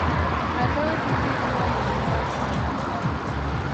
Aloi hizi huwa ni imara sana.